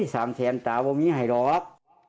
สามแสนตาว่าไม่ให้หรอก